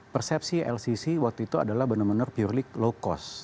persepsi al sisi waktu itu benar benar purely low cost